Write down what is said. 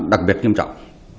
đặc biệt nghiêm trọng